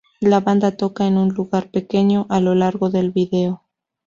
La banda toca en un lugar pequeño a lo largo del video.